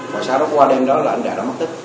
và sau đó qua đêm đó là anh đại đã mất tích